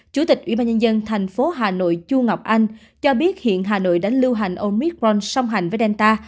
chủ tịch ủy ban nhân dân thành phố hà nội chu ngọc anh cho biết hiện hà nội đã lưu hành omicron song hành với delta